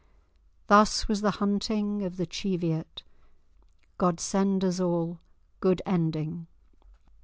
Thus was the hunting of the Cheviot; God send us all good ending!"